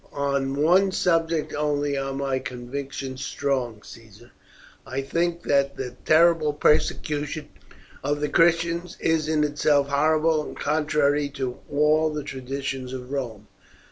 "On one subject only are my convictions strong, Caesar. I think that the terrible persecution of the Christians is in itself horrible, and contrary to all the traditions of Rome.